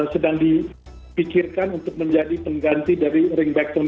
sedang dipikirkan untuk menjadi pengganti dari ringback tone